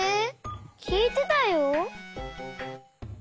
きいてたよ！